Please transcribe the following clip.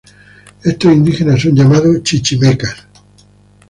Estos indígenas son llamados "chichimecas".